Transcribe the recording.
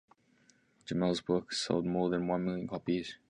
Gemmell's books have sold more than one million copies.